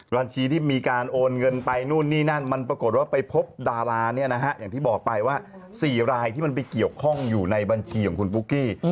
บัญชีที่มีการโอนเงินไปนู่นนี่นั่นมันปรากฏว่าไปพบดาราเนี่ยนะฮะอย่างที่บอกไปว่า๔รายที่มันไปเกี่ยวข้องอยู่ในบัญชีของคุณปุ๊กกี้